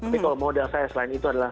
tapi kalau modal saya selain itu adalah